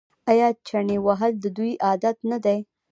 آیا چنې وهل د دوی عادت نه دی؟